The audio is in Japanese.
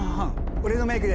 俺のメイクで。